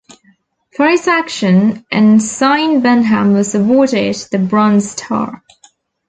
For his action, Ensign Benham was awarded the Bronze Star.